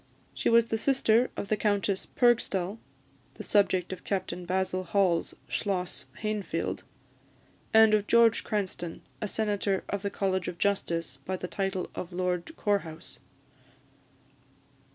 She was the sister of the Countess Purgstall (the subject of Captain Basil Hall's "Schloss Hainfeld"), and of George Cranstoun, a senator of the College of Justice, by the title of Lord Corehouse.